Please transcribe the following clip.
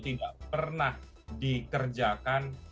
tidak pernah dikerjakan